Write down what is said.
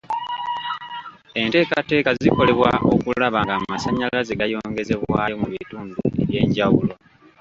Enteekateeka zikolebwa okulaba ng'amasannyalaze gayongezebwayo mu bitundu eby'enjawulo.